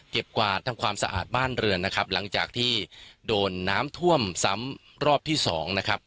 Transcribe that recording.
กวาดทำความสะอาดบ้านเรือนนะครับหลังจากที่โดนน้ำท่วมซ้ำรอบที่สองนะครับ